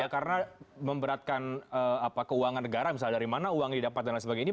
karena memberatkan keuangan negara misalnya dari mana uangnya didapat dan lain sebagainya ini